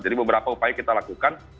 jadi beberapa upaya kita lakukan